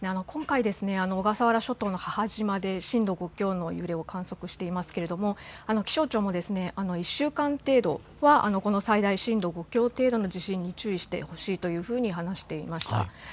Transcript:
今回、小笠原諸島の母島で震度５強の揺れを観測していますけれども、気象庁も１週間程度は、この最大震度５強程度の地震に注意してほしいというふうに話していました。